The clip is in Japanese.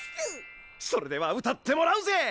それでは歌ってもらうぜ！